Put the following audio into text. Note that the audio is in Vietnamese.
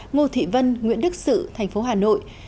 ngô thị vân nguyễn đức sự thành phố hà nội